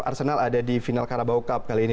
arsenal ada di final karabau cup kali ini